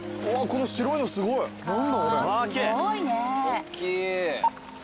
おっきい。